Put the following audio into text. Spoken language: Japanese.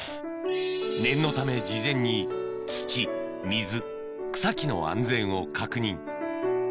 念のため事前に土水草木の安全を確認